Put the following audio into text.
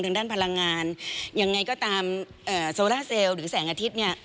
ทางด้านพลังงานยังไงก็ตามโซล่าเซลล์หรือแสงอาทิตย์เนี่ย